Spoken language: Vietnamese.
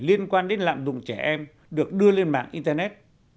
liên quan đến lạm dụng trẻ em được đưa lên mạng internet